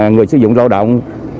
người sử dụng lao động